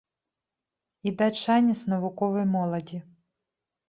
І даць шанец навуковай моладзі.